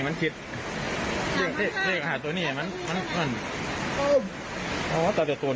ตรงนี้ถ้ามันแจ้งปลอมผมจะหายดูกับเลขก็ได้